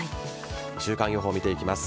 週間予報を見ていきます。